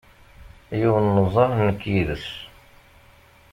Yiwen n uẓar nekk yid-s.